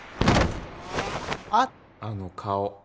あの顔。